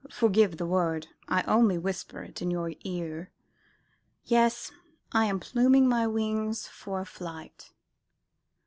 Forgive the word, I only whisper it in your ear. Yes, I am pluming my wings for a flight."